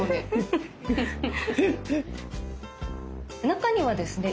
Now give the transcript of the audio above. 中にはですね